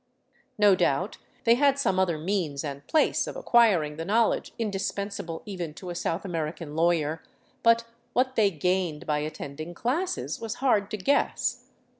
No doubt they had some other means and place of acquiring the knowledge indispensable even to a South Amer ican lawyer; but what they gained by attending classes was hard to guess.